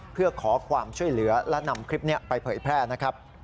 เพื่อขอความช่วยเหลือและนำคลิปนี้ไปเผยแพร่นะครับ